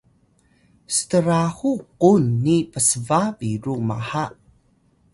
strahu kung ni psba biru maha